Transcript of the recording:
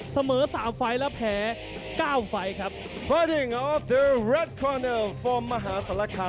เสมอ๓ไฟล์และแพ้๙ไฟล์ครับ